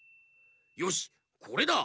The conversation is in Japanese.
よしこれだ！